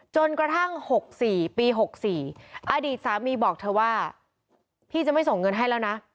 จนกระทั่งปี๖๔อดีตสามีบอกเธอว่า